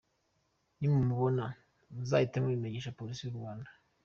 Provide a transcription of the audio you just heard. Nimumubona muzahite mubimenyesha Polisi y’u Rwanda."